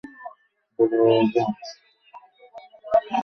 ভালো হয়ে যাও।